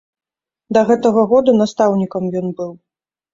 Да гэтага году настаўнікам ён быў.